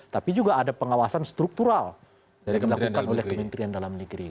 tapi juga ada pengawasan struktural yang dilakukan oleh kementerian dalam negeri